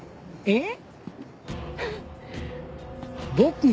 えっ？